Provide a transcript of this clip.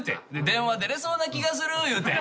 電話出れそうな気がするって。